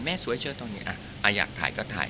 แม่สวยเฉยตรงนี้อ่ะอยากถ่ายก็ถ่าย